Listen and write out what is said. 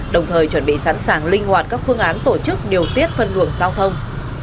đồng thời chuẩn bị sẵn sàng linh hoạt các phương án tổ chức điều tiết phân luồng giao thông